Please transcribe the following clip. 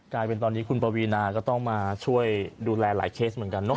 กลายเป็นตอนนี้คุณปวีนาก็ต้องมาช่วยดูแลหลายเคสเหมือนกันเนาะ